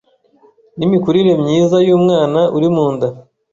n’imikurire myiza y’umwana uri mu nda